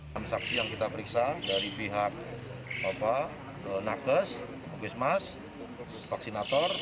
enam saksi yang kita periksa dari pihak nakesmas vaksinator